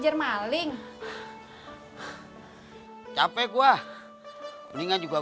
berarti mata lu keduduk periksa tuh